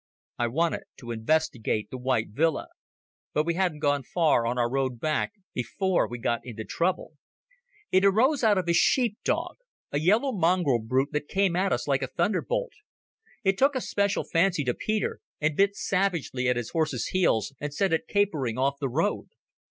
I wanted to investigate the white villa. But we hadn't gone far on our road back before we got into trouble. It arose out of a sheep dog, a yellow mongrel brute that came at us like a thunderbolt. It took a special fancy to Peter, and bit savagely at his horse's heels and sent it capering off the road.